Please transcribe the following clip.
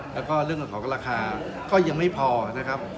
และเรื่องของราคา